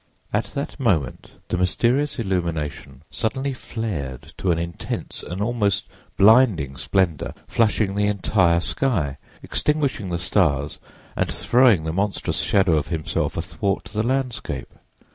At that moment the mysterious illumination suddenly flared to an intense, an almost blinding splendor, flushing the entire sky, extinguishing the stars and throwing the monstrous shadow of himself athwart the landscape.